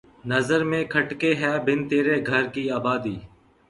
نظر میں کھٹکے ہے بن تیرے گھر کی آبادی